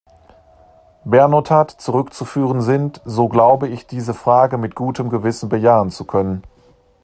Bernotat zurückzuführen sind, so glaube ich diese Frage mit gutem Gewissen bejahen zu können.